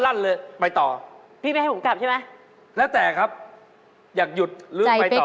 แล้วพี่เอจะหยุดหรือจะไปต่อ